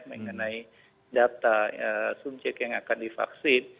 mengenai data subjek yang akan divaksin